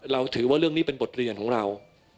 เราถือว่าเรื่องนี้เป็นบทเรียนของเรา